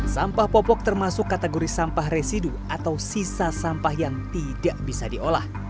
sampah popok termasuk kategori sampah residu atau sisa sampah yang tidak bisa diolah